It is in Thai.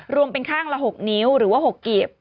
รวมเป็นข้างละ๖นิ้วหรือว่า๖เกียบ